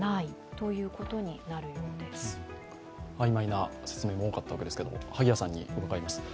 曖昧な説明も多かったわけですが、萩谷さんに伺います。